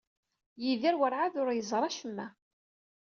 Yidir werɛad ur yeẓri acemma.